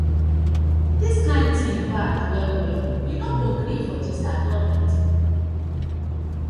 Dis kin tin bad well well, we no gree for dis our gofment.